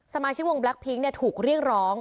สมาชิกวงบลัคพิ้งเนี่ยถูกเรียกร้อง